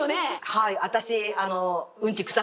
はい。